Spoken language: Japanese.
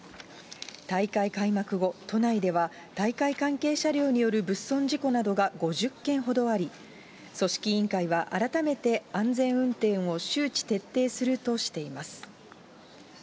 大会開幕後、都内では大会関係車両による物損事故などが５０件ほどあり、組織委員会は改めて安全運転を周知徹底するとしています。